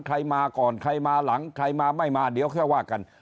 ใครมาก่อนใครมาหลังใครมาไม่มาเดี๋ยวค่อยว่ากัน